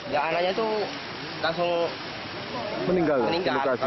ya anaknya itu langsung meninggal